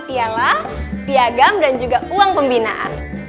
piala piagam dan juga uang pembinaan